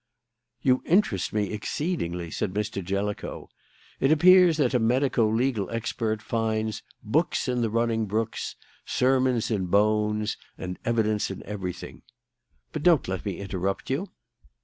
"You interest me exceedingly," said Mr. Jellicoe. "It appears that a medico legal expert finds 'books in the running brooks, sermons in bones, and evidence in everything.' But don't let me interrupt you."